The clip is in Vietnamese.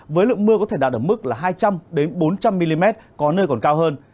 với lượng mưa có thể đạt ở mức là hai trăm linh bốn trăm linh mm có nơi còn cao hơn